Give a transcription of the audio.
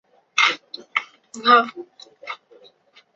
其多栖息于深海底。